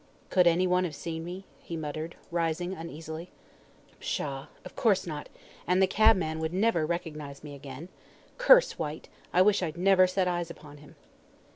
"Could anyone have seen me?" he muttered, rising uneasily. "Pshaw! of course not; and the cabman would never recognise me again. Curse Whyte, I wish I'd never set eyes upon him."